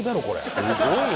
すごいね。